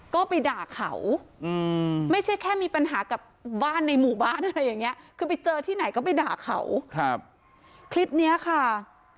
หมู่บ้านอะไรอย่างเงี้ยคือไปเจอที่ไหนก็ไปด่าเขาครับคลิปเนี้ยค่ะ